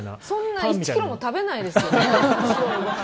そんな１ｋｇも食べないですよ。